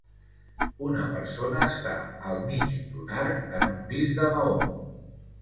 Una persona està al mig d'un arc en un pis de Maó.